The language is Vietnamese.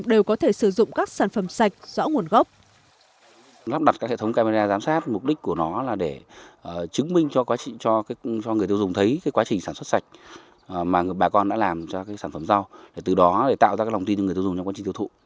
đều có thể sử dụng các sản phẩm sạch rõ nguồn gốc